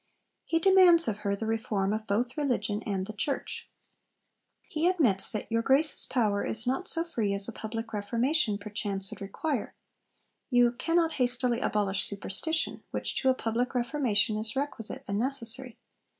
He demands of her the reform of both religion and the church. He admits that 'your Grace's power is not so free as a public Reformation perchance would require'; you 'cannot hastily abolish superstition, ... which to a public Reformation is requisite and necessary.